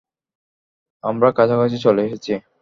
আমরা কাছাকাছি চলে এসেছি।